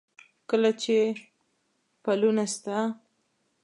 کله چې پلونه ستا،